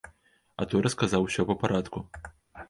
А той расказаў усё па парадку.